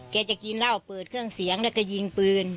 แกจะกินเหล้าเปิดเครื่องเสียงแล้วก็ยิงปืน